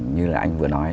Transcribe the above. như là anh vừa nói